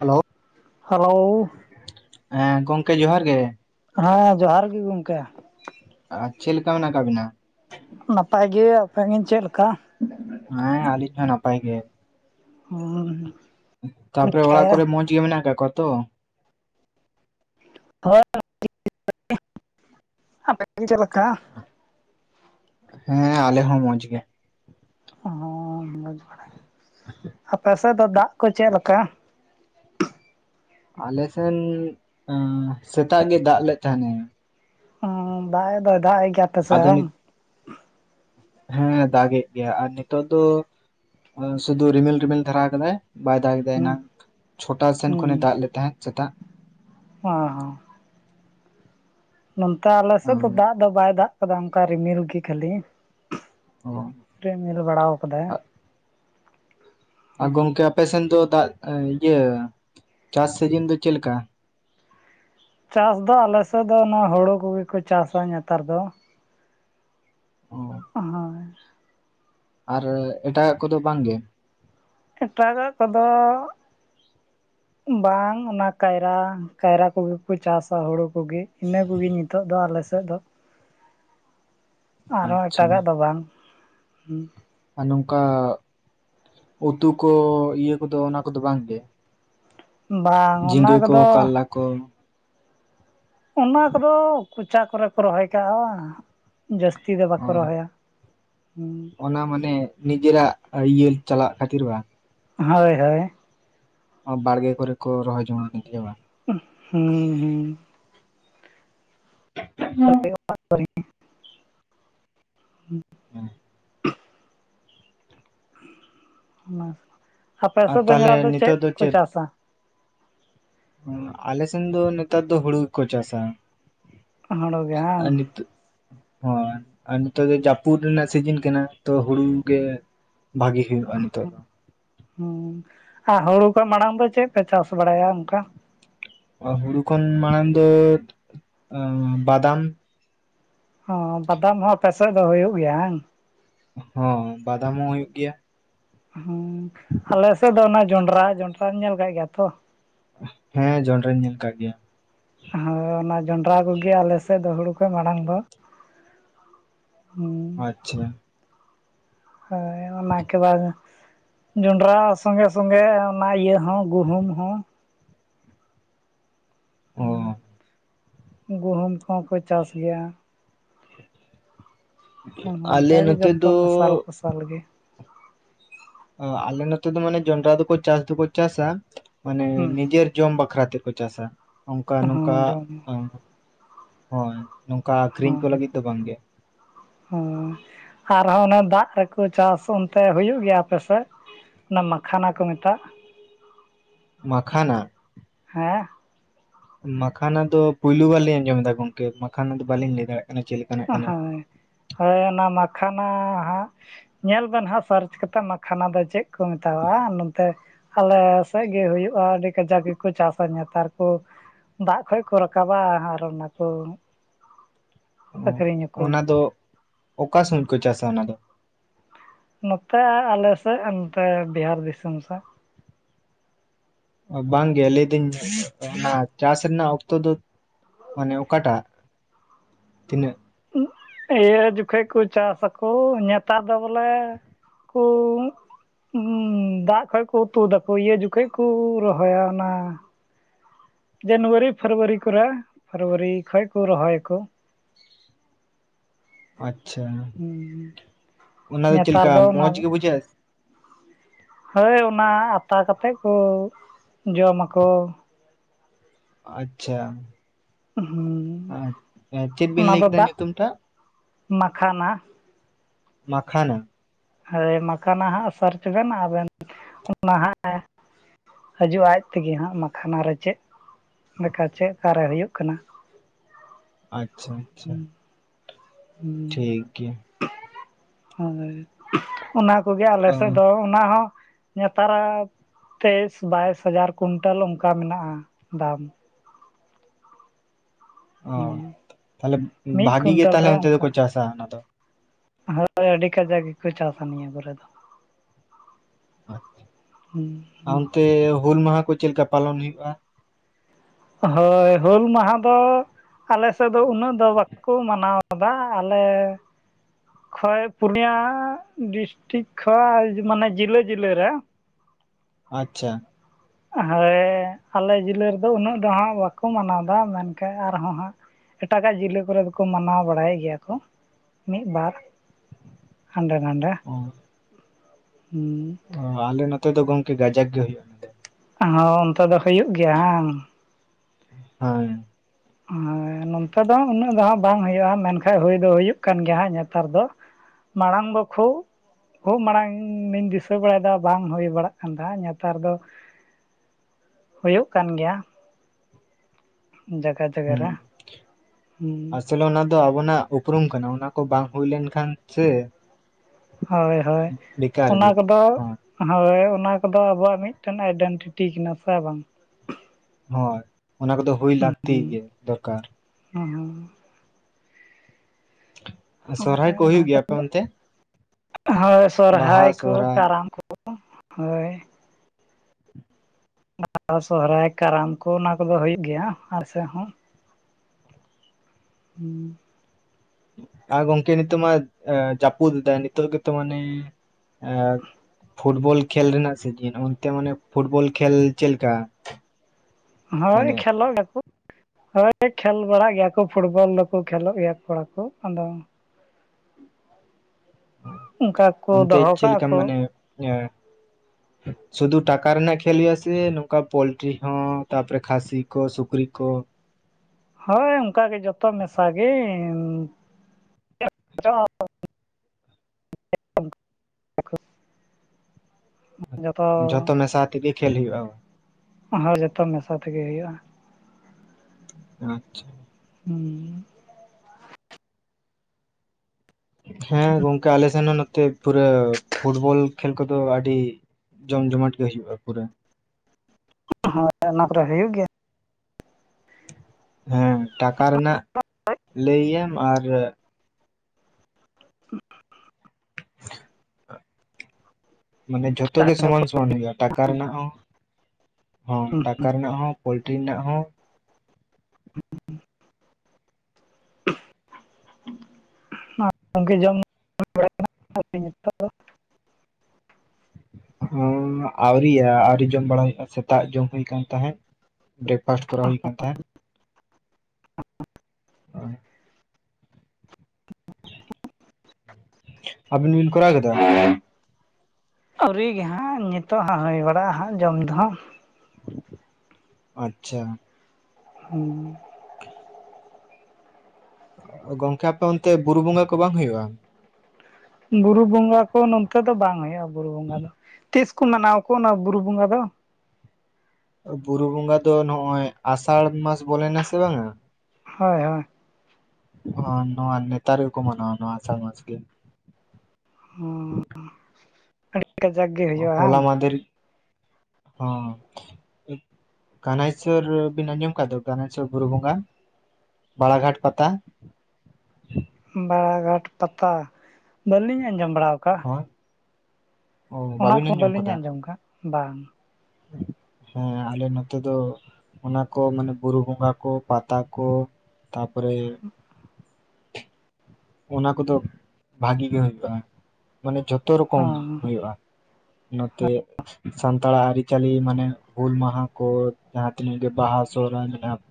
Hello ᱦᱟᱞᱟᱩ ᱦᱮᱸ ᱜᱚᱝᱠᱮ ᱡᱚᱦᱟᱨ ᱜᱮ ᱦᱮᱸ ᱡᱚᱦᱟᱨ ᱜᱮ ᱜᱚᱝᱠᱮ ᱟᱨ ᱪᱮ ᱞᱮᱠᱟ ᱢᱮᱱᱟᱜ ᱟᱠᱟᱜ ᱵᱮᱱᱟ ᱱᱟᱯᱟᱭ ᱜᱮ ᱟᱯᱮ ᱜᱤᱧ ᱪᱮ ᱞᱮᱠᱟ ᱦᱮᱸ ᱟᱹᱞᱤᱧ ᱦᱚᱸ ᱱᱟᱯᱟᱭ ᱜᱮ ᱦᱚᱭ ᱦᱚᱭ ᱛᱟᱯᱚᱨᱮ ᱚᱲᱟᱜ ᱠᱚᱨᱮ ᱢᱚᱸᱡᱽ ᱜᱮ ᱢᱮᱱᱟᱜ ᱠᱟᱜ ᱠᱚᱣᱟ ᱛᱚ [unintelligible] ᱦᱳᱭ ᱯᱮ ᱪᱮᱞ ᱞᱮᱠᱟ ᱦᱮᱸ ᱟᱞᱮ ᱦᱚᱸ ᱢᱚᱸᱡᱽ ᱜᱮ ᱦᱚᱸ ᱢᱚᱸᱡᱽ ᱵᱟᱲᱟᱜᱮ ᱟᱯᱮ ᱥᱮᱫ ᱫᱚ ᱫᱟᱜ ᱠᱚ ᱪᱮᱫ ᱞᱮᱠᱟ ᱟᱞᱮ ᱥᱮᱱ ᱟᱸ.. ᱥᱮᱛᱟᱜ ᱜᱮ ᱫᱟᱜ ᱞᱮᱫ ᱛᱟᱦᱮᱱᱮ ᱚᱝ ᱫᱟᱜ ᱫᱚᱭ ᱫᱟᱜ ᱮᱜ ᱜᱮ ᱟᱯᱮ ᱥᱮᱱ ᱟᱫᱚ ᱦᱟᱝ ᱱᱤᱛ ᱦᱮᱸ ᱫᱟᱜᱽ ᱮᱫ ᱜᱮᱭᱟ ᱟᱨ ᱱᱤᱛᱚᱜ ᱫᱚ ᱥᱩᱫᱩ ᱨᱤᱢᱤᱞ ᱨᱤᱢᱤᱞ ᱫᱷᱟᱨᱟ ᱟᱠᱟᱫᱟᱭ ᱵᱟᱭ ᱫᱟᱜ ᱮᱫᱟᱭ ᱦᱩᱸ ᱱᱟᱦᱟᱜ ᱪᱷᱚᱴᱟ ᱥᱮᱱ ᱦᱩᱸ ᱠᱷᱚᱱᱮ ᱫᱟᱜ ᱞᱮᱫᱟᱭ ᱥᱮᱛᱟᱜ ᱥᱮᱛᱟᱜ ᱚ ᱦᱚᱸ.... ‌ ᱱᱚᱱᱛᱮ ᱟᱞᱮ ᱚ ᱥᱮᱫ ᱫᱚ ᱫᱟᱜ ᱫᱚ ᱵᱟᱭ ᱫᱟᱜ ᱟᱠᱟᱫᱟ ᱚᱱᱠᱟ ᱨᱤᱢᱤᱞ ᱜᱤ ᱠᱷᱟᱹᱞᱤ [unintelligible] ᱨᱤᱢᱤᱞ ᱵᱟᱲᱟᱣ ᱟᱠᱟᱫᱟᱭ ᱟ ᱜᱚᱝᱠᱮ ᱟᱯᱮ ᱥᱮᱱ ᱫᱚ ᱫᱟᱜ ᱤᱭᱟᱹ ᱪᱟᱥ ᱥᱤᱡᱤᱱ ᱫᱚ ᱪᱮᱫ ᱞᱮᱠᱟ ᱪᱟᱥ ᱫᱚ ᱟᱞᱮ ᱥᱮᱫ ᱫᱚ ᱱᱚᱶᱟ ᱦᱚᱲᱚ ᱠᱚᱜᱮ ᱠᱚ ᱪᱟᱥᱟ ᱱᱮᱛᱟᱨ ᱫᱚ ᱚᱻ... ᱟᱦᱟᱸᱻ.... ᱟᱨ ᱮᱴᱟᱜᱟᱜ ᱠᱚ ᱫᱚ ᱵᱟᱝᱜᱮ ᱮᱴᱟᱜᱟᱜ ᱠᱚᱫᱚ ᱵᱟᱝ ᱚᱱᱟ ᱠᱟᱭᱨᱟ, ᱠᱟᱭᱨᱟ ᱠᱚᱜᱮ ᱠᱚ ᱪᱟᱥᱟ ᱦᱚᱲᱚ ᱠᱚᱜᱤ ᱤᱱᱟᱹ ᱠᱩᱜᱤ ᱱᱤᱛᱚᱜ ᱫᱚ ᱟᱞᱮᱥᱮᱫ ᱫᱚ ᱟᱨ ᱦᱚᱸ ᱟᱪᱪᱷᱟ ᱮᱴᱟᱜᱟᱜ ᱫᱚ ᱵᱟᱝ ᱦᱸ ᱟᱨ ᱱᱚᱝᱠᱟ ᱩᱛᱩ ᱠᱚ ᱤᱭᱟᱹ ᱠᱚᱫᱚ ᱚᱱᱟ ᱠᱚᱫᱚ ᱵᱟᱝ ᱜᱮ ᱵᱟᱝ ᱡᱷᱤᱸᱜᱟᱹ ᱚᱱᱟ ᱠᱚ ᱠᱚᱫᱚ ᱠᱟᱨᱞᱟ ᱠᱚ᱾ ᱚᱱᱟ ᱠᱚᱫᱚ ᱠᱚᱪᱟ ᱠᱚᱨᱮ ᱠᱚ ᱨᱚᱦᱚᱭ ᱠᱟᱜᱼᱟ ᱡᱟᱹᱥᱛᱤ ᱫᱚ ᱚ ᱵᱟᱠᱚ ᱨᱚᱦᱚᱭᱟ᱿ ᱦᱩᱸ ᱚᱱᱟ ᱢᱟᱱᱮ ᱱᱤᱡᱮᱨᱟᱜ ᱤᱭᱟᱹ ᱪᱟᱞᱟᱜ ᱠᱷᱟᱹᱛᱤᱨ ᱵᱟᱝ ᱦᱟ. ᱭ ᱦᱟ. ᱭ ᱚ.. ᱵᱟᱲᱜᱮ ᱠᱚᱨᱮ ᱠᱚ ᱨᱚᱦᱚᱭ ᱡᱚᱝᱟ ᱱᱤᱰᱤᱭᱟ. ᱵᱟᱝ᱾ ᱦᱩᱸ ᱦᱩᱸ [unintelligible] [unintelligible] ᱦᱮᱸ ᱚᱱᱟ ᱟᱯᱮ ᱥᱮ ᱟᱨ ᱫᱚ ᱛᱟᱦᱚᱞᱮ ᱧᱮᱞᱟᱜ ᱪᱮᱫ ᱱᱤᱛᱚᱜ ᱫᱚ ᱠᱚ ᱪᱟᱥᱟ ᱟᱞᱮ ᱥᱮᱱ ᱫᱚ ᱱᱮᱛᱟᱨ ᱫᱚ ᱦᱩᱲᱩ ᱜᱮᱠᱚ ᱪᱟᱥᱟ ᱦᱩᱲᱩ ᱜᱮ ᱵᱟᱝ ᱟᱹᱱᱤᱛ ᱦᱳᱭ ᱟᱨ ᱱᱤᱛᱚᱜ ᱫᱚ ᱡᱟᱹᱯᱩᱫ ᱨᱮᱱᱟᱜ ᱥᱤᱡᱤᱱ ᱠᱟᱱᱟ ᱛᱚ ᱦᱩᱲᱩ ᱜᱮ ᱵᱷᱟᱜᱤ᱾ ᱦᱩᱭᱩᱜᱼᱟ ᱱᱤᱛᱚᱜ ᱫᱚ [unintelligible] ᱦᱮᱸ ᱟᱨ ᱦᱚᱲᱚ ᱠᱷᱚᱡ ᱢᱟᱲᱟᱝ ᱫᱚ ᱪᱮᱫ ᱯᱮ ᱪᱟᱥ ᱵᱟᱲᱟᱭᱟ ᱚᱱᱠᱟ ᱟ ᱦᱩᱲᱩ ᱠᱷᱚᱱ ᱢᱟᱲᱟᱝ ᱫᱚ ᱵᱟᱫᱟᱢ᱾ ᱚ ᱵᱟᱫᱟᱢ ᱦᱚᱸ ᱟᱯᱮ ᱥᱮᱫ ᱫᱚ ᱦᱩᱭᱩᱜ ᱜᱮᱭᱟ ᱵᱟᱝ ᱦᱚᱸ ᱵᱟᱫᱟᱢ ᱦᱚᱸ ᱦᱩᱭᱩᱜ ᱜᱮᱭᱟ᱾ [unintelligible] ᱦᱮᱸ ᱟᱞᱮᱮᱥᱮᱫ ᱫᱚ ᱚᱱᱟ ᱡᱚᱱᱰᱨᱟ ᱡᱚᱱᱰᱨᱟᱢ ᱧᱮᱞ ᱟᱠᱟᱜ ᱜᱮᱭᱟ ᱛᱚ [unintelligible] ᱦᱮᱸ ᱡᱚᱱᱰᱨᱟᱧ ᱧᱮᱞ ᱟᱠᱟᱜ ᱜᱮᱭᱟ᱾ ᱦᱚᱸ ᱚᱱᱟ ᱡᱚᱱᱰᱨᱟ ᱠᱚᱜᱮ ᱟᱞᱮ ᱥᱮᱫ ᱫᱚ ᱦᱩᱲᱩ ᱠᱷᱚᱡ ᱢᱟᱲᱟᱝ ᱫᱚ᱿ ᱦᱩᱸ ᱟᱪᱪᱷᱟ ᱦᱳᱭ ᱚᱱᱟᱠᱮᱵᱟ ᱡᱚᱸᱰᱨᱟ ᱥᱚᱸᱜᱮ ᱥᱚᱸᱜᱮ ᱚᱱᱟ ᱤᱭᱟᱹ ᱦᱚᱸ ᱜᱩᱦᱩᱢ ᱦᱚᱸ ᱚ ᱦᱩᱸ ᱜᱩᱦᱩᱢ ᱠᱚᱦᱚᱸ ᱠᱚ ᱪᱟᱥ ᱜᱮᱭᱟ᱾ ᱦᱮ ᱚᱱᱠᱟ ᱟᱞᱮ ᱜᱮ ᱱᱚᱛᱮ ᱡᱚᱛᱚ ᱢᱮᱥᱟᱞ ᱠᱚ ᱫᱚ ᱠᱚᱥᱟᱞ ᱜᱮ᱾ ᱟᱞᱮ ᱱᱚᱛᱮ ᱫᱚ ᱢᱟᱱᱮ ᱡᱚᱱᱰᱨᱟ ᱫᱚᱠᱚ ᱪᱟᱥ ᱫᱚᱠᱚ ᱪᱟᱥ-ᱟ ᱢᱟᱱᱮ ᱦᱩᱸ ᱱᱤᱡᱮᱨ ᱡᱚᱢ ᱵᱟᱠᱷᱨᱟ ᱛᱮᱠᱚ ᱪᱟᱥᱟ ᱚᱱᱠᱟ ᱱᱚᱝᱠᱟ ᱦᱚᱸ ᱡᱚᱢ ᱦᱳᱭ ᱱᱚᱝᱠᱟ ᱟᱠᱷᱨᱤᱧ ᱠᱚ ᱦᱚᱸ ᱞᱟᱹᱜᱤᱫ ᱫᱚ ᱵᱟᱝᱜᱮ ᱦᱚᱸ ᱟᱨᱦᱚᱸ ᱚᱱᱮ ᱫᱟᱜ ᱨᱮᱠᱚ ᱪᱟᱥ ᱚᱱᱛᱮ ᱦᱩᱭᱩᱜ ᱜᱮᱭᱟ ᱟᱯᱮᱥᱮᱫ᱾ ᱚᱱᱟ ᱢᱟᱠᱷᱟᱱᱟ ᱠᱚ ᱢᱮᱛᱟᱜ᱾ ᱢᱟᱠᱷᱟᱱᱟ ᱦᱮᱸ ᱢᱟᱠᱷᱟᱱᱟ ᱫᱚ ᱯᱩᱭᱞᱩ ᱵᱟᱨ ᱞᱤᱧ ᱟᱸᱡᱚᱢᱮᱫᱟ ᱜᱚᱝᱠᱮ ᱢᱟᱠᱷᱟᱱᱟ ᱫᱚ ᱵᱟᱞᱤᱧ ᱞᱟᱹᱭ ᱫᱟᱲᱮᱭᱟᱜ ᱠᱟᱱᱟ ᱪᱮᱫ ᱞᱮᱠᱟᱱᱟᱜ ᱠᱟᱱᱟ ᱟᱹ-ᱦᱟᱹ ᱦᱳᱭ ᱚᱱᱟ ᱢᱟᱠᱷᱟᱱᱟ ᱦᱟᱜ ᱧᱮᱞ ᱵᱮᱱ ᱦᱟᱜ ᱥᱟᱨᱪ ᱠᱟᱛᱮᱫ ᱢᱟᱠᱷᱟᱱᱟ ᱫᱚ ᱪᱮᱫ ᱠᱚ ᱢᱮᱛᱟᱣᱟᱜ-ᱟ ᱱᱚᱛᱮ ᱟᱞᱮ ᱥᱮᱫ ᱜᱮ ᱦᱩᱭᱩᱜ-ᱟ ᱟᱹᱰᱤ ᱠᱟᱡᱟᱠ ᱜᱮᱠᱚ ᱪᱟᱥᱟ ᱱᱮᱛᱟᱨ ᱠᱚ᱾ ᱫᱟᱜ ᱠᱷᱚᱡ ᱠᱚ ᱨᱟᱠᱟᱵᱟ ᱟᱨ ᱚᱱᱟᱠᱚ ᱚ ᱚᱱᱟ ᱫᱚ ᱚᱠᱟ ᱥᱚᱢᱚᱭ ᱠᱚ ᱪᱟᱥᱟ ᱚᱱᱟ ᱫᱚ ᱱᱚᱛᱮ ᱟᱞᱮ ᱥᱮᱫ ᱱᱚᱛᱮ ᱵᱤᱦᱟᱨ ᱫᱤᱥᱚᱢ ᱥᱮᱫ᱾ ᱵᱟᱝᱜᱮ ᱞᱟᱹᱭ ᱫᱟᱹᱧ ᱚᱱᱟ ᱪᱟᱥ ᱨᱮᱱᱟᱜ ᱚᱠᱛᱚ ᱫᱚ ᱢᱟᱱᱮ ᱚᱠᱟᱴᱟᱜ ᱛᱤᱱᱟᱹᱜ ᱤᱭᱟᱹ ᱡᱚᱠᱷᱚᱱ ᱠᱚ ᱪᱟᱥ ᱟᱠᱚ ᱱᱮᱛᱟᱨ ᱫᱚ ᱵᱚᱞᱮ ᱠᱚᱻᱩ ᱫᱟᱜ ᱠᱷᱚᱡ ᱠᱚ ᱛᱩᱫ ᱟᱠᱚ ᱤᱭᱟᱹ ᱡᱚᱠᱷᱚᱱ ᱠᱚ ᱨᱚᱦᱚᱭᱟ ᱚᱱᱟ ᱡᱟᱱᱩᱣᱟᱨᱤ ᱯᱷᱮᱵᱽᱨᱩᱣᱟᱨᱤ ᱠᱚᱨᱮ ᱯᱷᱮᱵᱽᱨᱩᱣᱟᱨᱤ ᱠᱷᱚᱱᱟᱡ ᱠᱚ ᱨᱚᱦᱚᱭᱟᱠᱚ᱾ ᱟᱪᱪᱷᱟ ᱦᱩᱻᱸ ᱚᱱᱟ ᱪᱮᱫ ᱱᱮᱛᱟᱨ ᱞᱮᱠᱟ ᱫᱚ ᱚᱱᱟ ᱢᱚᱸᱡᱽ ᱜᱮ ᱵᱩᱡᱷᱟᱹᱜᱼᱟ ᱦᱳᱭ ᱚᱱᱟ ᱟᱛᱟ ᱠᱟᱛᱮᱫ ᱠᱚ ᱡᱚᱢᱟᱠᱚ ᱟᱪᱪᱷᱟ ᱦᱩᱸ ᱪᱮᱫ ᱵᱤᱱ ᱚᱱᱟ ᱞᱟᱹᱭ ᱫᱚ ᱠᱮᱫᱟ ᱫᱟᱜ ᱧᱩᱛᱩᱢᱴᱟᱜ ᱢᱟᱠᱷᱟᱱᱟ ᱢᱟᱠᱷᱟᱱᱟ ᱦᱚᱭ ᱢᱟᱠᱷᱟᱱᱟ ᱦᱟᱸᱜ ᱥᱟᱨᱪ ᱵᱮᱱ ᱟᱵᱮᱱ ᱱᱟᱦᱟᱜ ᱦᱤᱡᱩᱜ-ᱟ ᱟᱡ ᱛᱮᱜᱮ ᱦᱟᱸᱜ ᱢᱟᱠᱷᱟᱱᱟ ᱨᱮ ᱪᱮᱫ ᱞᱮᱠᱟ ᱪᱮᱫ ᱚᱠᱟᱨᱮ ᱦᱩᱭᱩᱜ ᱠᱟᱱᱟ ᱟᱪᱪᱷᱟ ᱟᱪᱪᱷᱟ ᱦᱩᱸ ᱴᱷᱤᱠ ᱜᱮᱭᱟ ᱦᱚᱭ ᱚᱱᱟ ᱠᱚᱜᱮ ᱟᱞᱮ ᱚ ᱥᱮᱫ ᱫᱚ ᱚᱱᱟ ᱦᱚᱸ ᱱᱮᱛᱟᱨᱟᱜ ᱛᱮᱭᱤᱥ ᱵᱟᱭᱤᱥ ᱦᱟᱡᱟᱨ ᱠᱩᱭᱤᱱᱴᱟᱞ ᱚᱱᱠᱟ ᱢᱮᱱᱟᱜ-ᱟ ᱫᱟᱢ ᱚ ᱦᱩᱸ ᱛᱟᱦᱞᱮ ᱢᱤᱫ ᱵᱷᱟᱜᱤ ᱜᱮ ᱠᱩᱭᱤᱱᱴᱟᱞ ᱨᱮ ᱛᱟᱦᱚᱞᱮ ᱚᱱᱛᱮ ᱫᱚᱠᱚ ᱚᱱᱠᱟ ᱪᱟᱥᱟ ᱚᱱᱟ ᱫᱚ᱾ ᱦᱳᱭ ᱟᱹᱰᱤ ᱠᱟᱡᱟᱠ ᱜᱮᱠᱚ ᱪᱟᱥᱟ ᱱᱤᱭᱟᱹ ᱠᱚᱨᱮ ᱫᱚ᱾ ᱦᱩᱸ ᱦᱩᱸ ᱥᱮ ᱦᱩᱞ ᱢᱟᱦᱟ ᱠᱚ ᱪᱮᱫ ᱞᱮᱠᱟ ᱯᱟᱞᱚᱱ ᱦᱩᱭᱩᱜ-ᱟ ᱦᱳᱭ ᱦᱩᱞ ᱢᱟᱦᱟ ᱫᱚ ᱟᱞᱮᱥᱮᱫ ᱫᱚ ᱩᱱᱟᱹᱜ ᱫᱚ ᱵᱟᱠᱚ ᱢᱟᱱᱟᱣ ᱮᱫᱟ ᱟᱞᱮ ᱠᱷᱚᱭ ᱯᱩᱨᱱᱤᱭᱟ ᱰᱤᱥᱴᱤᱠ ᱠᱷᱚᱭ ᱢᱟᱱᱮ ᱡᱤᱞᱟᱹ ᱡᱤᱞᱟᱹ ᱨᱮ ᱟᱪᱪᱷᱟ ᱦᱳᱭ ᱟᱞᱮ ᱡᱤᱞᱟᱹ ᱨᱮᱫᱚ ᱩᱱᱟᱹᱜ ᱫᱚ ᱦᱟᱸᱜ ᱵᱟᱠᱚ ᱢᱟᱱᱟᱣᱫᱟ ᱢᱮᱱᱠᱷᱟᱱ ᱟᱨᱦᱚᱸ ᱦᱟᱸᱜ ᱮᱴᱟᱜᱟᱜ ᱡᱤᱞᱟᱹ ᱠᱚᱨᱮ ᱫᱚᱠᱚ ᱢᱟᱱᱟᱣ ᱵᱟᱲᱟᱭ ᱜᱮᱭᱟ ᱠᱚ ᱢᱤᱫᱵᱟᱨ ᱦᱟᱸᱰᱮ ᱱᱟᱰᱮ ᱚ ᱦᱩᱸ ᱚ ᱟᱞᱮ ᱱᱚᱛᱮ ᱫᱚ ᱜᱚᱝᱠᱮ ᱜᱟᱡᱟᱠ ᱜᱮ ᱦᱩᱭᱩᱜ-ᱟ ᱦᱚᱸ ᱚᱱᱛᱮ ᱫᱚ ᱦᱩᱭᱩᱜ ᱜᱮᱭᱟ ᱵᱟᱝ ᱦᱳᱭ ᱦᱚᱭ ᱱᱚᱱᱛᱮ ᱫᱚ ᱩᱱᱟᱹᱜ ᱫᱚ ᱦᱟᱸᱜ ᱵᱟᱝ ᱦᱩᱭᱩᱜ-ᱟ ᱢᱮᱱᱠᱷᱟᱡ ᱦᱩᱭ ᱫᱚ ᱦᱩᱭᱩᱜ ᱠᱟᱱ ᱜᱮᱭᱟ ᱦᱟᱸᱜ ᱱᱮᱛᱟᱨ ᱫᱚ ᱢᱟᱲᱟᱝ ᱫᱚ ᱠᱷᱩ ᱠᱷᱩᱜ ᱢᱟᱲᱟᱝ ᱤᱧ ᱫᱤᱥᱟᱹ ᱵᱟᱲᱟᱭᱮᱫᱟ ᱵᱟᱝ ᱦᱩᱭ ᱵᱟᱲᱟᱜ ᱠᱟᱱ ᱛᱟᱦᱮᱸ ᱱᱮᱛᱟᱨ ᱫᱚ ᱦᱩᱭᱩᱜ ᱠᱟᱱ ᱜᱮᱭᱟ ᱾ ᱡᱟᱜᱟ ᱡᱟᱜᱟ ᱨᱮ ᱦᱮᱸ ᱟᱥᱚᱞᱮ ᱚᱱᱟ ᱫᱚ ᱟᱵᱚᱱᱟᱜ ᱩᱯᱨᱩᱢ ᱠᱟᱱᱟ ᱚᱱᱟ ᱠᱚ ᱵᱟᱝ ᱦᱩᱭ ᱞᱮᱱᱠᱷᱟᱱ ᱥᱮ ᱦᱳᱭ ᱦᱳᱭ ᱵᱮᱠᱟᱨ ᱚᱱᱟ ᱜᱮᱭᱟ ᱠᱚᱫᱚ ᱦᱚᱸ ᱦᱳᱭ ᱚᱱᱟ ᱠᱚᱫᱚ ᱟᱵᱚᱣᱟᱜ ᱢᱤᱫᱴᱮᱱ ᱟᱭᱰᱮᱱᱴᱤᱴᱤ ᱠᱟᱱᱟ ᱥᱮ ᱵᱟᱝ? ᱦᱳᱭ ᱚᱱᱟ ᱠᱚᱫᱚ ᱦᱩᱭ ᱞᱟᱹᱠᱛᱤ ᱜᱮ ᱫᱚᱨᱠᱟᱨ ᱾ ᱦᱮᱸ ᱦᱩᱸ ᱥᱚᱨᱦᱟᱭ ᱠᱚ ᱦᱩᱭᱩᱜ ᱜᱮᱭᱟ ᱟᱯᱮ ᱚᱱᱛᱮ? ᱦᱳᱭ ᱵᱟᱦᱟ ᱥᱚᱨᱦᱟᱭ ᱠᱚ ᱥᱚᱦᱨᱟᱭ ᱠᱟᱨᱟᱢ ᱠᱚ ᱦᱳᱭ ᱾ ᱵᱟᱦᱟ ᱥᱚᱨᱦᱟᱭ ᱠᱟᱨᱟᱢ ᱠᱚ ᱚᱱᱟ ᱠᱚᱫᱚ ᱦᱩᱭᱩᱜ ᱜᱮᱭᱟ ᱟᱞᱮ ᱥᱮᱫ ᱦᱚ ᱾ ᱦᱩᱸ ᱟ ᱜᱚᱝᱠᱮ ᱱᱤᱛᱚᱜ ᱢᱟ ᱡᱟᱹᱯᱩᱫ ᱮᱫᱟᱭ ᱱᱤᱛᱚᱜ ᱜᱮᱛᱚ ᱢᱟᱱᱮ ᱮ ᱯᱷᱩᱴᱵᱚᱞ ᱠᱷᱮᱞ ᱨᱮᱱᱟᱜ ᱥᱤᱡᱤᱱ ᱚᱱᱛᱮ ᱢᱟᱱᱮ ᱯᱷᱩᱴᱵᱚᱞ ᱠᱷᱮᱞ ᱪᱮᱫᱠᱟ ᱦᱳᱭ ᱠᱷᱮᱞᱚᱜ ᱵᱮᱠᱚ ᱦᱳᱭ ᱠᱷᱮᱞ ᱵᱟᱲᱟᱜ ᱜᱮᱭᱟ ᱠᱚ ᱯᱷᱩᱴᱵᱚᱞ ᱫᱚᱠᱚ ᱠᱷᱮᱞᱚᱜ ᱜᱮᱭᱟ ᱠᱚᱲᱟ ᱠᱚ ᱟᱫᱚ ᱚᱱᱠᱟ ᱠᱚ ᱚᱱᱛᱮ ᱫᱚᱦᱚ ᱪᱮᱫᱮ ᱠᱟᱜᱼᱟ ᱞᱮᱠᱟ ᱠᱚ ᱢᱟᱱᱮ ᱮ ᱥᱩᱫᱷᱩ ᱴᱟᱠᱟ ᱨᱮᱱᱟᱜ ᱠᱷᱮᱴᱮᱞ ᱦᱩᱭᱩᱜ ᱟᱥᱮ ᱱᱚᱝᱠᱟ ᱯᱳᱞᱴᱨᱤ ᱦᱚᱸ ᱛᱟᱯᱚᱨᱮ ᱠᱷᱟᱥᱤ? ᱠᱚ ᱥᱩᱠᱨᱤ ᱠᱚ ᱦᱳᱭ ᱚᱱᱠᱟᱜ ᱜᱮ ᱡᱚᱛᱚ ᱢᱮᱥᱟᱜ ᱜᱮ ᱡᱚᱛᱚ ᱢᱮᱥᱟ ᱟᱛᱮᱜᱮ ᱠᱷᱮᱞ ᱦᱩᱭᱩᱜ-ᱟ ᱵᱟᱝ ᱾ ᱟ ᱡᱚᱛᱚ ᱢᱮᱥᱟ ᱛᱮᱜᱮ ᱦᱩᱭᱩᱜ-ᱟ ᱟᱪᱪᱷᱟ ᱢ ᱦᱮᱸ ᱜᱚᱝᱠᱮ ᱟᱞᱮ ᱥᱮᱱ ᱦᱚᱸ ᱱᱚᱛᱮ ᱯᱩᱨᱟᱹ ᱯᱷᱩᱴᱵᱚᱞ ᱠᱷᱮᱞ ᱠᱚ ᱫᱚ ᱟᱹᱰᱤ ᱡᱚᱢ ᱡᱚᱢᱟᱴ ᱜᱮ ᱦᱩᱭᱩᱜᱼᱟ ᱯᱩᱨᱟᱹ ᱾ ᱦᱚᱸᱭ ᱚᱱᱟ ᱠᱚ ᱨᱮ ᱦᱩᱭᱩᱜ ᱜᱮᱭᱟ ᱾ ᱦᱮᱸ ᱴᱟᱠᱟ ᱨᱮᱱᱟᱜ ᱞᱟᱹᱭᱟᱢ ᱟᱨ ᱦᱩ ᱢᱟᱱᱮ ᱡᱷᱚᱛᱚ ᱜᱮ ᱥᱚᱢᱟᱱ ᱥᱚᱢᱟᱱ ᱦᱩᱭᱩᱜᱼᱟ ᱴᱟᱠᱟ ᱨᱮᱱᱟᱜ ᱦᱚᱸ ᱦᱚᱸ ᱴᱟᱠᱟ ᱨᱮᱱᱟᱜ ᱦᱚᱸ ᱯᱳᱚᱞᱴᱨᱤ ᱨᱮᱱᱟᱜ ᱦᱚᱸ ᱜᱚᱢᱠᱮ ᱡᱚᱢ ᱧᱩ ᱵᱟᱲ ᱱᱤᱛᱚᱜ ᱫᱚ? ᱦᱚ ᱟᱹᱣᱨᱤᱭᱟ ᱟᱹᱣᱨᱤ ᱡᱚᱢ ᱵᱟᱲᱟ ᱦᱩᱭᱩᱜ-ᱟ ᱥᱮᱛᱟᱜ ᱡᱚᱢ ᱦᱩᱭ ᱠᱟᱱᱟᱱ ᱛᱟᱦᱮᱸᱫ ᱵᱨᱮᱠᱯᱷᱟᱥᱴ ᱠᱚᱨᱟ ᱦᱩᱭ ᱠᱟᱱ ᱛᱟᱦᱮᱸᱫ ᱟᱨ ᱟᱵᱤᱱ ᱵᱤᱱ ᱠᱚᱨᱟᱣ ᱠᱟᱫᱟ? ᱟᱹᱣᱨᱤ ᱜᱮ ᱦᱟᱸᱜ ᱱᱤᱛᱚᱜ ᱦᱟᱸᱜ ᱦᱩᱭ ᱵᱟᱲᱟᱜᱼᱟ ᱦᱟᱸᱜ ᱡᱚᱢ ᱫᱚ ᱦᱟᱸᱜ ᱟᱪᱪᱷᱟ ᱦᱩᱸ ᱜᱚᱝᱠᱮ ᱟᱯᱮ ᱚᱱᱛᱮ ᱵᱩᱨᱩ ᱵᱚᱸᱜᱟ ᱠᱚ ᱵᱟᱝ ᱦᱩᱭᱩᱜᱼᱟ? ᱵᱩᱨᱩ ᱵᱚᱸᱜᱟ ᱠᱚ ᱱᱛᱮ ᱫᱚ ᱵᱟᱝ ᱦᱩᱭᱩᱜᱼᱟ ᱵᱩᱨᱩ ᱵᱚᱸᱜᱟ ᱫᱚ ᱛᱤᱥ ᱠᱚ ᱢᱟᱱᱟᱣ ᱠᱚ ᱚᱱᱟ ᱵᱩᱨᱩ ᱵᱚᱸᱜᱟ ᱫᱚ? ᱵᱩᱨᱩ ᱵᱚᱸᱜᱟ ᱫᱚ ᱱᱚᱜ-ᱚᱭ ᱟᱥᱟᱲ ᱢᱟᱥ ᱵᱚᱞᱚᱭ ᱮᱱᱟ ᱥᱮ ᱵᱟᱝ-ᱟ ᱦᱳᱭ ᱦᱳᱭ ᱦ ᱱᱚᱣᱟ ᱱᱮᱛᱟᱨ ᱠᱚ ᱢᱟᱱᱟᱣᱟ ᱟᱥᱟᱲ ᱢᱟᱥ ᱜᱮ ᱾ ᱟᱨ ᱦᱚᱞᱟ ᱢᱟᱫᱷᱮᱨ ᱦᱚᱸ ᱠᱟᱱᱟᱭᱪᱚᱨ ᱵᱤᱱ ᱟᱸᱡᱚᱢ ᱟᱠᱟᱫ ᱫᱚ ᱠᱟᱱᱟᱭᱪᱚᱨ ᱵᱩᱨᱩ ᱵᱚᱸᱜᱟ᱾ ᱵᱟᱲᱟ ᱜᱷᱟᱴ ᱯᱟᱛᱟ᱾ ᱵᱟᱲᱟ ᱜᱷᱟᱴ ᱯᱟᱛᱟ ᱵᱟᱹᱞᱤᱧ ᱟᱸᱡᱚᱢ ᱵᱟᱲᱟ ᱟᱠᱟᱼᱟ᱾ ᱟᱨ [inaudible] ᱚᱱᱟ ᱠᱚ ᱵᱟᱹᱞᱤᱧ ᱟᱸᱡᱚᱢ ᱟᱠᱟᱫ ᱵᱟᱝ᱾ ᱦᱮᱸ ᱟᱞᱮ ᱱᱚᱛᱮ ᱫᱚ᱾ ᱚᱱᱟ ᱠᱚ ᱢᱟᱱᱮ ᱵᱩᱨᱩ ᱵᱚᱸᱜᱟ ᱠᱚ ᱯᱟᱛᱟ ᱠᱚ ᱛᱟᱯᱚᱨᱮ᱾ ᱚᱱᱟ ᱠᱚ ᱫᱚ ᱵᱷᱟᱜᱤ ᱜᱮ ᱦᱩᱭᱩᱜᱼᱟ ᱢᱟᱱᱮ ᱡᱚᱛᱚ ᱨᱚᱠᱚᱢ ᱦᱚᱸ ᱦᱩᱭᱩᱜᱼᱟ᱾ ᱱᱟᱛᱮ᱾ ᱥᱟᱱᱛᱟᱲ-ᱟ ᱟᱹᱨᱤᱪᱟᱹᱞᱤ ᱢᱟᱱᱮ ᱦᱩᱞ ᱢᱟᱦᱟ ᱠᱚ ᱡᱟᱦᱟᱸ ᱛᱤᱱᱟᱹᱜ ᱜᱮ ᱵᱟᱦᱟ ᱥᱚᱦᱚᱨᱟᱭ ᱢᱮᱱᱟᱜ-ᱟ᱾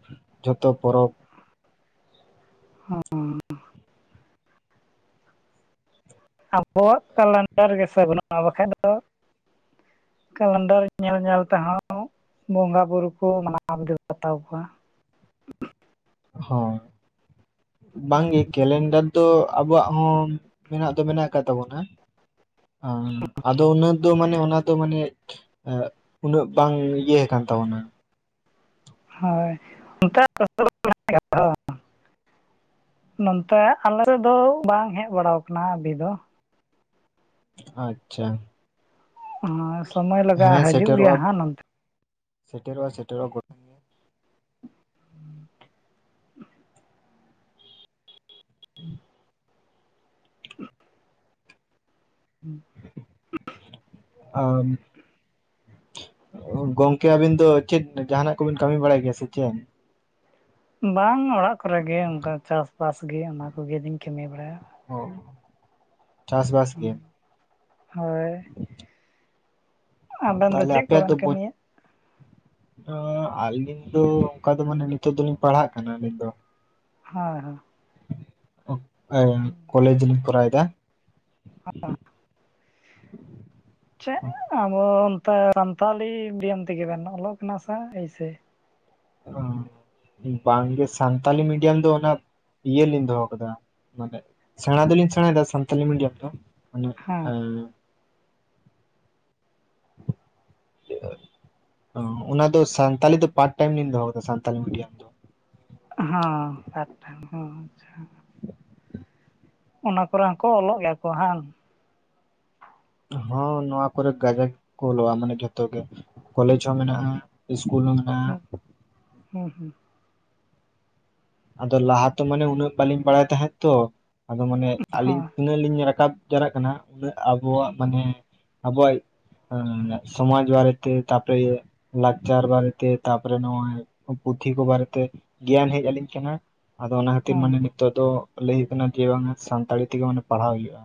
ᱡᱷᱚᱛᱚ ᱯᱚᱨᱚᱵᱽ ᱦ [inaudible] ᱟᱵᱚᱣᱟᱜ ᱠᱞᱮᱱᱰᱟᱨ ᱜᱮ ᱥᱮ ᱵᱟᱹᱱᱩᱜᱼᱟ ᱵᱟᱠᱷᱟᱡ ᱫᱚ᱾ ᱠᱮᱞᱮᱱᱰᱟᱨ ᱧᱮᱞ ᱧᱮᱞ ᱛᱮ ᱦᱚᱸ ᱵᱚᱸᱜᱟ ᱵᱩᱨᱩ ᱠᱚ ᱢᱟᱱᱟᱣ [inaudible] ᱦᱟᱛᱟᱣ ᱠᱚᱣᱟ᱾ ᱦᱚ ᱵᱟᱝᱜᱮ ᱠᱮᱞᱮᱱᱰᱟᱨ ᱫᱚ ᱟᱵᱚᱣᱟᱜ ᱦᱚᱸ ᱢᱮᱱᱟᱜ ᱫᱚ ᱢᱮᱱᱟᱜ ᱟᱠᱟᱫ ᱛᱟᱵᱚᱱᱟ᱾ ᱟᱫᱚ ᱩᱱᱟᱹᱜ ᱫᱚ ᱢᱟᱱᱮ ᱚᱱᱟ ᱫᱚ ᱢᱟᱱᱮ᱾᱾ ᱩᱱᱟᱹᱜ ᱵᱟᱝ ᱤᱭᱟᱹ ᱟᱠᱟᱱ ᱛᱟᱵᱚᱱᱟ᱾ ᱦᱳᱭ ᱚᱱᱠᱟ ᱜᱮᱚ [inaudible] ᱱᱚᱱᱚᱛᱮ ᱟᱞᱮ ᱥᱮᱫ ᱫᱚ ᱵᱟᱝ ᱦᱮᱡ ᱵᱟᱲᱟ ᱟᱠᱟᱱᱟ ᱟᱦᱤ ᱫᱚ᱾ ᱟᱪᱪᱷᱟ᱾ ᱟᱨ [inaudible] ᱦᱮᱸ ᱥᱮᱴᱮᱨᱚᱜᱼᱟ ᱥᱮᱴᱮᱨᱚᱜᱼᱟ ᱥᱮᱴᱮᱨᱚᱜᱼᱟ ᱚᱴᱟ ᱦᱮ [inaudible] [inaudible] ᱦᱩᱸ [inaudible] ᱟᱢ ᱜᱚᱝᱠᱮ ᱟᱵᱤᱱ ᱫᱚ ᱪᱮᱫ ᱡᱟᱦᱱᱟᱜ ᱠᱚᱵᱤᱱ ᱠᱟᱹᱢᱤ ᱵᱟᱲᱟᱭ ᱜᱮᱭᱟ ᱥᱮ ᱪᱮᱫ? ᱵᱟᱝ ᱚᱲᱟᱜ ᱠᱚᱨᱮᱜᱮ ᱚᱱᱠᱟ ᱪᱟᱥ ᱵᱟᱥᱜᱮ ᱚᱱᱟᱠᱜᱮ ᱞᱤᱧ ᱠᱟᱹᱢᱤ ᱵᱟᱲᱟᱭᱟ᱾ ᱜ [unintelligible] ᱦᱳᱭ ᱟᱵᱮᱱ ᱫᱚ ᱛᱟᱦᱚᱞᱮ ᱪᱮᱫ ᱟᱯᱮ ᱫᱚ ᱠᱚᱵᱮᱱ ᱵ ᱠᱟᱹᱢᱤᱭᱟ ᱟᱹᱞᱤᱧ ᱫᱚ ᱚᱱᱠᱟ ᱫᱚ ᱢᱟᱱᱮ ᱱᱤᱛᱚᱜ ᱫᱚᱞᱤᱧ ᱯᱟᱲᱦᱟᱜ ᱠᱟᱱᱟ ᱟᱹᱞᱤᱧ ᱫᱚ ᱦᱳᱭ ᱦᱳᱭ᱾ ᱠᱚᱞᱮᱡᱽᱞᱤᱧ ᱠᱚᱨᱟᱣ ᱮᱫᱟ᱾ ᱦ [inaudible] ᱪᱮᱫ ᱟᱵᱚ ᱚᱱᱛᱮ ᱥᱟᱱᱛᱟᱲᱤ ᱢᱤᱰᱤᱭᱟᱢ ᱛᱮᱜᱮ ᱵᱮᱱ ᱚᱞᱚᱜ ᱠᱟᱱᱟ ᱥᱮ ᱮᱭ ᱥᱮ? ᱚ [unintelligible] ᱵᱟᱝᱜᱮ ᱥᱟᱱᱛᱟᱞᱤ ᱢᱤᱰᱤᱭᱟᱢ ᱫᱚ ᱚᱱᱟ ᱤᱭᱟᱹ ᱞᱤᱧ ᱫᱚᱦᱚ ᱟᱠᱟᱫᱟ ᱢᱟᱱᱮ ᱥᱮᱬᱟ ᱫᱚᱞᱤᱧ ᱥᱮᱬᱟᱭᱮᱫᱟ ᱥᱟᱱᱛᱟᱞᱤ ᱢᱤᱰᱤᱭᱟᱢ ᱛᱮᱦᱚᱸ ᱢᱟᱱᱮ ᱦᱮᱸ [unintelligible] ᱚᱱᱟ ᱫᱚ ᱥᱟᱱᱛᱟᱞᱤ ᱫᱚ ᱯᱟᱴ ᱴᱟᱭᱤᱢ ᱞᱤᱧ ᱫᱚᱦᱚ ᱠᱟᱫᱟ ᱥᱟᱱᱛᱟᱞᱤ ᱢᱤᱰᱤᱭᱟᱢ᱾ ᱫᱚ ᱦᱸ ᱟᱡᱴᱮᱱ ᱦᱚᱸ ᱟᱪᱪᱷᱟ ᱚᱱᱟ ᱠᱚᱨᱮ ᱦᱚᱸᱠᱚ ᱚᱞᱚᱜ ᱜᱮᱭᱟ ᱠᱚ ᱦᱮᱸ ᱦᱸ ᱱᱚᱣᱟ ᱠᱚᱨᱮ ᱜᱟᱡᱟᱠ ᱠᱚ ᱚᱞᱚ-ᱟ ᱢᱟᱱᱮ ᱡᱷᱚᱛᱚ ᱜᱮ᱾ ᱠᱚᱞᱮᱡᱽ ᱦᱚᱸ ᱢᱮᱱᱟᱜᱼᱟ ᱤᱥᱠᱩᱞ ᱦᱚᱸ ᱾ ᱦᱩᱸ ᱦᱩᱸ ᱦᱩᱸ ᱟᱫᱚ ᱞᱟᱦᱟ ᱛᱚ ᱢᱟᱱᱮ ᱩᱱᱟᱹᱜ ᱵᱟᱞᱤᱧ ᱵᱟᱲᱟᱭ ᱛᱟᱦᱮᱸᱜ ᱛᱚ ᱟᱫᱚ ᱢᱟᱱᱮ ᱟᱹᱞᱤᱧ ᱛᱤᱱᱟᱹᱜ ᱞᱤᱧ ᱨᱟᱠᱟᱵ ᱡᱟᱞᱟᱜ ᱠᱟᱱᱟ ᱩᱱᱟᱹᱜ ᱟᱵᱚᱣᱟᱜ ᱢᱟᱱᱮ ᱟᱵᱚᱣᱟᱜ ᱦ ᱥᱚᱢᱟᱡ ᱵᱟᱨᱮᱛᱮ ᱛᱯᱚᱨᱮ ᱤᱭᱟᱹ ᱞᱟᱠᱪᱟᱨ ᱵᱟᱨᱮᱛᱮ, ᱛᱟᱯᱚᱨᱮ ᱱᱚᱜᱼᱚᱭ ᱯᱩᱛᱷᱤ ᱠᱚ ᱵᱟᱨᱮᱛᱮ, ᱜᱮᱭᱟᱱ ᱦᱮᱡ ᱟᱹᱞᱤᱧ ᱠᱟᱱᱟ ᱟᱫᱚ ᱚᱱᱟ ᱠᱷᱟᱹᱛᱤᱨ ᱦᱚᱸ ᱢᱟᱱᱮ, ᱱᱤᱛᱚᱜ ᱫᱚ ᱞᱟᱹᱭ ᱦᱳᱭᱳᱜ ᱠᱟᱱᱟ ᱡᱮ ᱵᱟᱝᱟ ᱥᱟᱱᱛᱟᱲᱤ ᱛᱮᱜᱮ ᱢᱟᱱᱮ ᱯᱟᱲᱦᱟᱣ ᱦᱩᱭᱩᱜᱼᱟ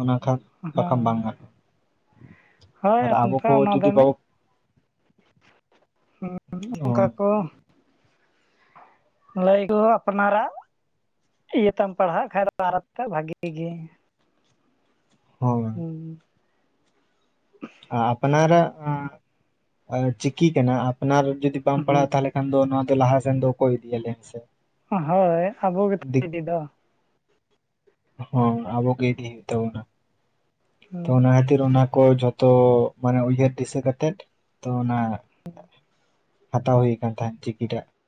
ᱚᱱᱟ ᱠᱷᱟᱱ, ᱵᱟᱠᱷᱟᱱ ᱵᱟᱝ ᱦᱚᱭ ᱜᱟᱱᱚᱜᱼᱟ ᱦᱳᱭ ᱟᱨ ᱟᱵᱚ ᱚᱱᱠᱟ ᱠᱚ ᱚᱱᱟ ᱫᱚ ᱡᱩᱫᱤ ᱢᱤᱫ ᱵᱟᱵᱚ ᱚᱱᱠᱟ ᱠᱚ, ᱞᱟᱹᱭ ᱠᱚ ᱟᱯᱱᱟᱨᱟᱜ ᱤᱭᱟᱹ ᱛᱟᱢ ᱯᱟᱲᱦᱟᱜ ᱠᱷᱟᱱ ᱫᱚ ᱵᱟᱨ ᱵᱷᱟᱜᱤ ᱜᱮ᱾ ᱦᱳᱭ [unintelligible] ᱟᱯᱱᱟᱨᱟᱜ ᱪᱤᱠᱤ ᱠᱟᱱᱟ ᱟᱯᱱᱟᱨ ᱡᱩᱫᱤ ᱵᱟᱢ ᱯᱟᱲᱦᱟᱜᱼᱟ ᱛᱟᱦᱚᱞᱮ ᱦᱩᱸ ᱱᱚᱣᱟ ᱫᱚ ᱞᱟᱦᱟ ᱥᱮᱱ ᱫᱚ ᱚᱠᱚᱭ ᱤᱫᱤᱭᱟ ᱞᱟᱹᱭ ᱢᱮᱥᱮ᱾ ᱦᱳᱭ ᱟᱵᱚ ᱜᱮᱛᱚ ᱫᱤᱠ ᱤᱫᱤ ᱫᱚ᱾ ᱦᱚᱸ ᱟᱵᱚ ᱜᱮ ᱤᱫᱤ ᱦᱳᱭᱳᱜ ᱦᱩᱸ ᱛᱟᱵᱚᱱᱟ᱾ ᱠᱷᱟᱹᱛᱤᱨ ᱚᱱᱟ ᱠᱚ ᱡᱷᱚᱛᱚ ᱢᱟᱱᱮ ᱩᱭᱦᱟᱹᱨ ᱫᱤᱥᱟᱹ ᱠᱟᱛᱮᱜ ᱛᱚ ᱚᱱᱟ ᱦᱟᱛᱟᱣ ᱦᱩᱭ ᱟᱠᱟᱱ ᱛᱟᱦᱮᱸᱫ ᱪᱤᱠᱤᱴᱟᱜ᱾